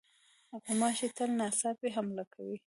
غوماشې تل ناڅاپي حمله کوي.